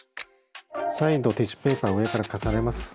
再度ティッシュペーパーを上から重ねます。